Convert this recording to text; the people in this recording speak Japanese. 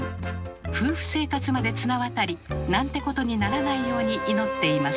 夫婦生活まで綱渡りなんてことにならないように祈っています。